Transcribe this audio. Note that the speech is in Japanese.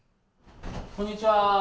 こんにちは。